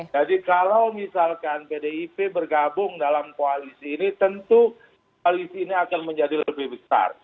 jadi kalau misalkan pdip bergabung dalam koalisi ini tentu koalisi ini akan menjadi lebih besar